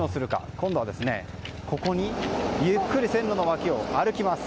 今度はゆっくり線路の脇を歩きます。